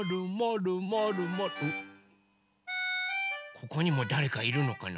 ここにもだれかいるのかな？